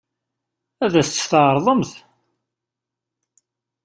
Ad as-tt-tɛeṛḍemt?